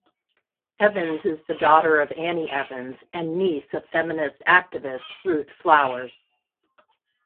Evans is the daughter of Annie Evans and niece of feminist activist Ruth Flowers.